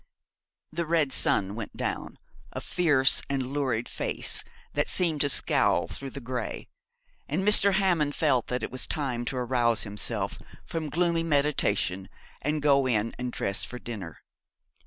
The red sun went down a fierce and lurid face that seemed to scowl through the grey and Mr. Hammond felt that it was time to arouse himself from gloomy meditation and go in and dress for dinner.